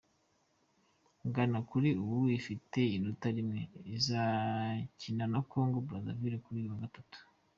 Ghana, kuri ubu ifite inota rimwe, izakina na Congo Brazzaville kuri uyu wa gatanu.